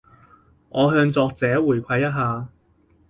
我向作者回饋一下